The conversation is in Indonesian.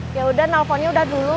ya udah nelfonnya udah dulu